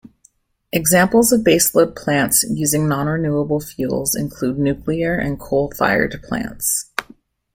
Examples of baseload plants using nonrenewable fuels include nuclear and coal-fired plants.